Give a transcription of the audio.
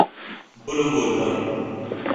گل و گلدان